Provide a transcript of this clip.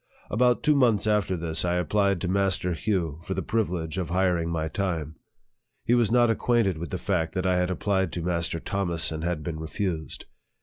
About two months after this, I applied to Master Hugh for the privilege of hiring my time. He was not acquainted with the fact that I had applied to Mas ter Thomas, and had been refused.